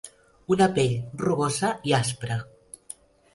Una pell rugosa i aspra.